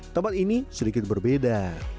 tempat ini sedikit berbeda